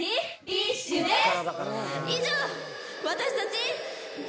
ＢｉＳＨでした！